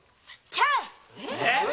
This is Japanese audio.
ちゃん！